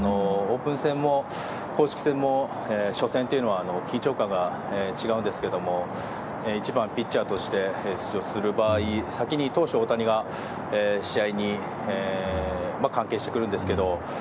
オープン戦も公式戦も初戦というのは、緊張感が違うんですけど１番ピッチャーとして出場する場合、先に投手・大谷が試合に関係してくるんですけど